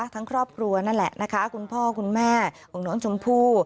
ทั้งครอบครัวนั่นแหละนะคะคุณพ่อคุณแม่ของน้องชมพู่